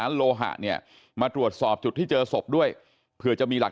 โลหะเนี่ยมาตรวจสอบจุดที่เจอศพด้วยเผื่อจะมีหลัก